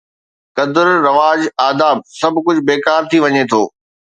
قدر، رواج، آداب، سڀ ڪجهه بيڪار ٿي وڃي ٿو.